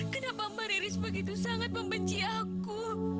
kenapa mama riris begitu sangat membenci aku